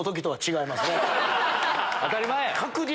当たり前や！